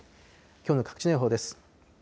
きょうの各地の予報です。